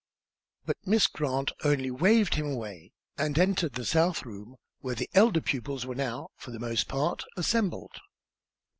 But Miss Grant only waved him away and entered the south room, where the elder pupils were now, for the most part, assembled.